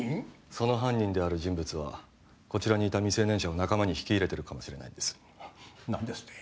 その犯人である人物はこちらにいた未成年者を仲間に引き入れてるかもしれないんです何ですって？